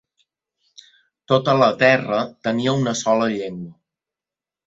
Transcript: Tota la terra tenia una sola llengua.